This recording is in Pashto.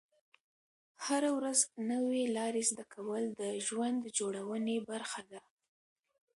هره ورځ نوې لارې زده کول د ژوند جوړونې برخه ده.